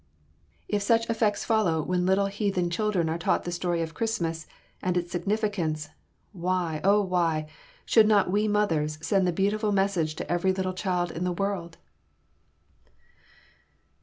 If such effects follow when little heathen children are taught the story of Christmas and its significance, why, oh why, should not we mothers send the beautiful message to every little child in the world?